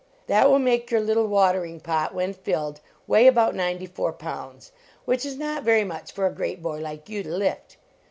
That will make your little watering pot, when filled, weigh about ninety four pounds, which is not very much for a great boy like you to lift.